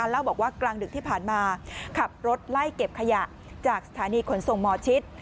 เล่าบอกว่ากลางดึกที่ผ่านมาขับรถไล่เก็บขยะจากสถานีขนส่งหมอชิด